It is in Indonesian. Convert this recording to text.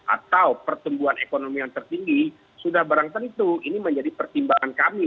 atau pertumbuhan ekonomi yang tertinggi sudah barang tentu ini menjadi pertimbangan kami